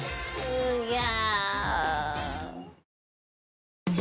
うぎゃ。